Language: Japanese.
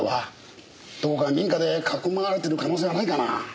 どこか民家でかくまわれてる可能性はないかな？